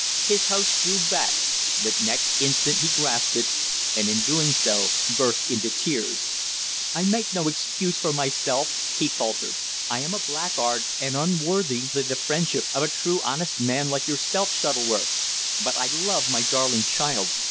His host drew back. But next instant he grasped it, and in doing so burst into tears. "I make no excuse for myself," he faltered. "I am a blackguard, and unworthy the friendship of a true honest man like yourself, Shuttleworth. But I love my darling child.